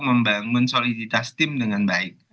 membangun soliditas tim dengan baik